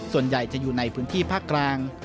ส่วนใหญ่จะอยู่ในพื้นที่ภาคกลาง